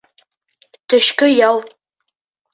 Төшкө ял.